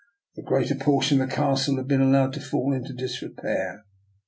The greater portion of the castle had been allowed to fall into disrepair.